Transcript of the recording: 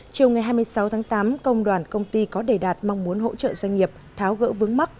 chiều ngày hai mươi sáu tháng tám công đoàn công ty có đề đạt mong muốn hỗ trợ doanh nghiệp tháo gỡ vướng mắt